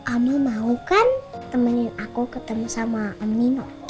amu mau kan temenin aku ketemu sama nino